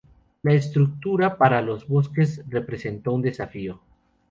La estructura para los bloques representó un desafío.